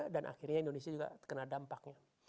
dan akhirnya indonesia juga terkena dampaknya